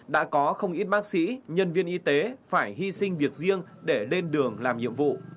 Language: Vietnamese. đã có không ít bác sĩ nhân viên y tế phải hy sinh việc riêng để lên đường làm nhiệm vụ